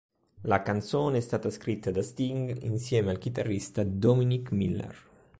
La canzone è stata scritta da Sting insieme al chitarrista Dominic Miller.